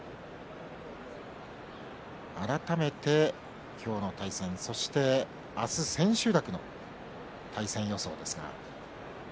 改めて今日の対戦そして明日千秋楽の対戦予想です。